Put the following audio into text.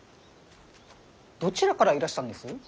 どちらからいらしたんです？